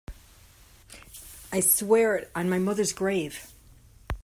I swear it on my mother's grave.